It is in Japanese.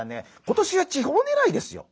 今年は地方ねらいですよ。